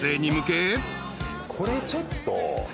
これちょっと。